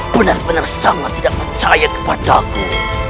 benar benar sama tidak percaya kepadaku